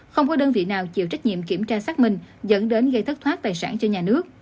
không có đơn vị nào chịu trách nhiệm kiểm tra xác minh dẫn đến gây thất thoát tài sản cho nhà nước